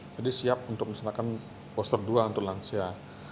jadi siap untuk menyediakan booster dua untuk lansia